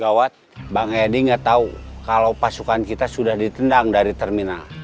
gawat bang edi nggak tahu kalau pasukan kita sudah ditendang dari terminal